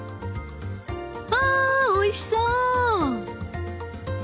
わぁおいしそう！